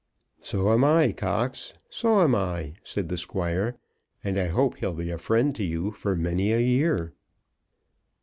"So am I, Cox; so am I," said the Squire. "And I hope he'll be a friend to you for many a year."